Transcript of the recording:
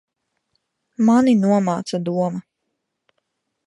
Mani nomāca doma.